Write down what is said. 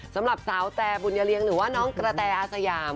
สำหรับสาวแต่บุญเลี้ยงหรือว่าน้องกระแตอาสยาม